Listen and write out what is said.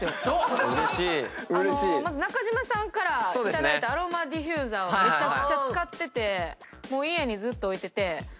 まず中島さんから頂いたアロマディフューザーはめちゃくちゃ使ってて家にずっと置いてて。